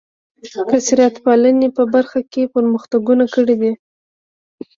کثرت پالنې په برخه کې پرمختګونه کړي دي.